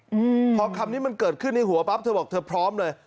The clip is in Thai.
อืมพอคำนี้มันเกิดขึ้นในหัวปั๊บเธอบอกเธอพร้อมเลย